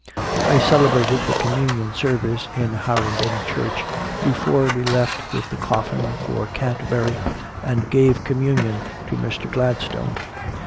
I celebrated the Communion service in Hawarden church before we left with the coffin for Canterbury, and gave Com munion to Mr. Gladstone.